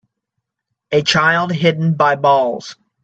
A child hidden by balls